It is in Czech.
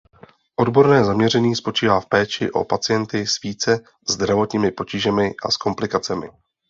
Odborné zaměření spočívá v péči o pacienty s více zdravotními potížemi a s komplikacemi.